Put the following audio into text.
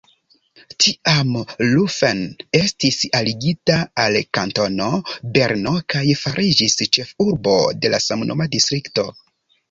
Tiam Laufen estis aligita al Kantono Berno kaj fariĝis ĉefurbo de la samnoma distrikto.